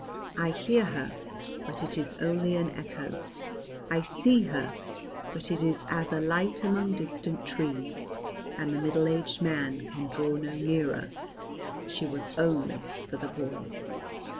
I hear her, but it is only as an echo; I see her, but it is as a light among distant trees, and the middle aged man can draw no nearer; she was only for the boys.